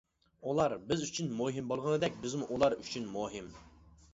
ئۇلار بىز ئۈچۈن مۇھىم بولغىنىدەك، بىزمۇ ئۇلار ئۈچۈن مۇھىم.